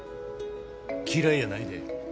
嫌いやないで。